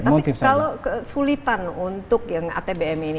tapi kalau kesulitan untuk yang atbm ini